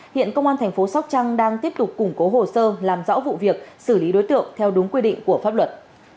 hiện công an thành phố sóc trăng đang tiếp tục củng cố hồ sơ làm rõ vụ việc xử lý đối tượng theo đúng quy định của pháp luật